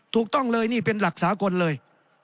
ถูกต้องเลยนี่เป็นหลักสากลเลย